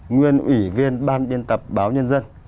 nguyên ủy viên ban biên tập báo nhân dân